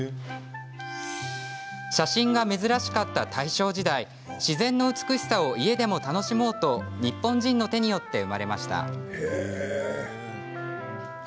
写真が珍しかった大正時代自然の美しさを家でも楽しもうと日本人の手によって生まれました。